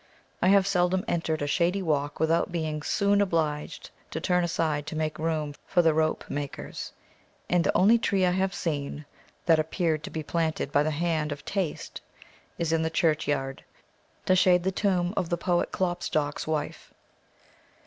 I have seldom entered a shady walk without being soon obliged to turn aside to make room for the rope makers; and the only tree I have seen, that appeared to be planted by the hand of taste, is in the churchyard, to shade the tomb of the poet Klopstock's wife.